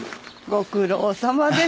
ご苦労さまです。